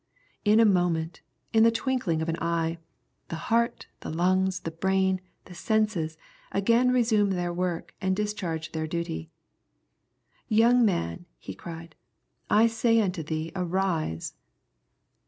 In a moment, in the twinkling of an eye, the heart, the lungs, the brain, the senses, again resume their work and discharge their duty. " Young man," He cried, " I say unto thee arise."